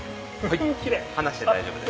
離して大丈夫です。